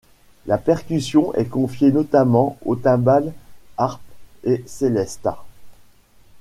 La percussion est confiée notamment aux timbales, harpe et célesta.